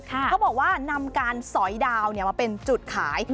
เขาบอกว่านำการสอยดาวมาเป็นจุดขาย